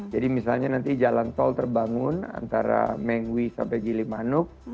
jadi misalnya nanti jalan sol terbangun antara mengwi sampai gili manuk